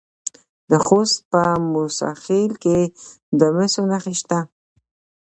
د خوست په موسی خیل کې د مسو نښې شته.